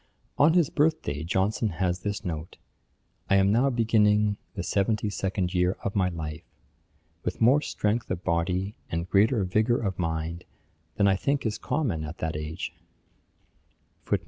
On his birth day, Johnson has this note: 'I am now beginning the seventy second year of my life, with more strength of body, and greater vigour of mind, than I think is common at that age.'